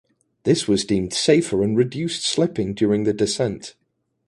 This was deemed safer and reduced slipping during the descent.